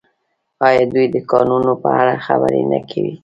آیا دوی د کانونو په اړه خبرې نه کوي؟